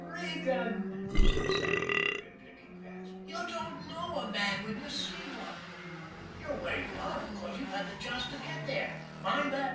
"Regan," said Sammy Durgan, blinking fast, "you don't know a man when you see one. You're where you are because you've had the chance to get there. Mind that!